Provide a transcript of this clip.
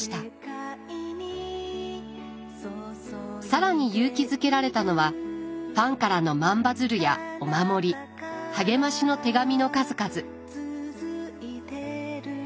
更に勇気づけられたのはファンからの万羽鶴やお守り励ましの手紙の数々。